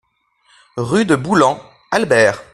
Rue de Boulan, Albert